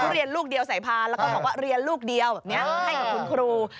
ทุเรียนลูกเดียวสายพานแล้วก็เรียนลูกเดียวให้กับคุณครู